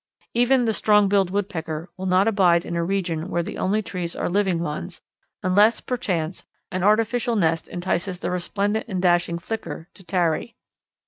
Even the strong billed Woodpecker will not abide in a region where the only trees are living ones, unless, perchance, an artificial nest entices the resplendent and dashing Flicker to tarry.